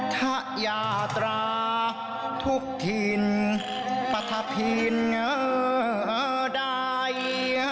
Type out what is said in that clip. ถ้ายาตราทุกทินปฏภินได้